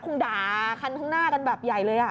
คงด่าคันข้างหน้ากันแบบใหญ่เลย